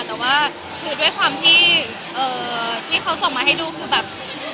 แต่ว่าคือด้วยความที่เขาส่งมาให้ดูคือแบบ